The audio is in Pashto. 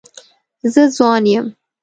زه ځوان یم.